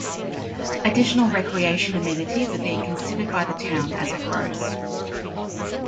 Additional recreation amenities are being considered by the town as it grows.